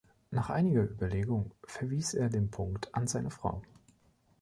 Nach einiger Überlegung verwies er den Punkt an seine Frau.